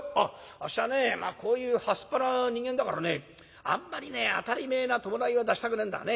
あっしはねこういうはすっぱな人間だからねあんまりね当たり前な葬式は出したくねえんだがね。